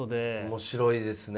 面白いですね。